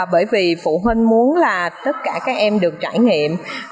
bởi vì phụ huynh muốn là tất cả các em được trải nghiệm